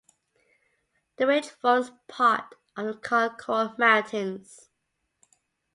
The range forms part of the Concord Mountains.